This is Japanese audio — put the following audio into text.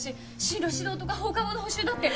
進路指導とか放課後の補習だって。